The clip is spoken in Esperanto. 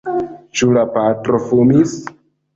Ĉu la patro fumis?